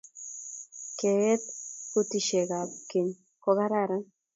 ke eeet kutisheck ab keny ko kararan